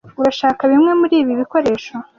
urashaka bimwe muri ibi bikoresho